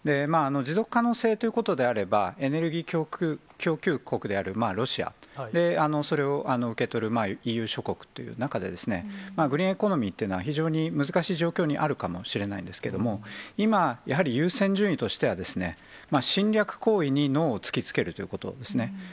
持続可能性ということであれば、エネルギー供給国であるロシア、それを受け取るＥＵ諸国という中で、グリーンエコノミーというのは非常に難しい状況にあるかもしれないですけれども、今、やはり優先順位としては、侵略行為にノーを突きつけるということですね。